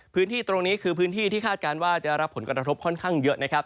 พื้นที่ตรงนี้คือพื้นที่ที่คาดการณ์ว่าจะรับผลกระทบค่อนข้างเยอะนะครับ